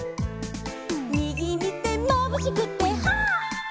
「みぎみてまぶしくてはっ」